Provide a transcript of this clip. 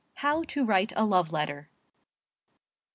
HOW TO WRITE A LOVE LETTER. Dr.